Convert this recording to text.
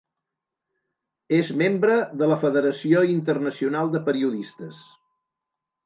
És membre de la Federació Internacional de Periodistes.